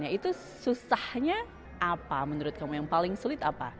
itu susahnya apa menurut kamu yang paling sulit apa